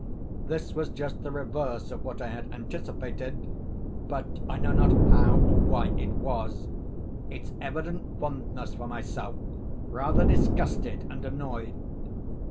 This was just the reverse of what I had anticipated; but—I know not how or why it was—its evident fondness for myself rather disgusted and annoyed.